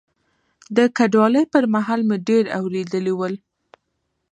د کډوالۍ پر مهال مې ډېر اورېدلي ول.